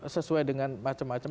sesuai dengan macam macam